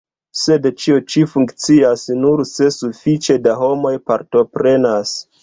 Sed ĉio ĉi funkcias nur se sufiĉe da homoj partoprenas.